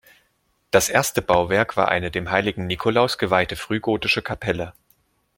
Das erste Bauwerk war eine dem Heiligen Nikolaus geweihte frühgotische Kapelle.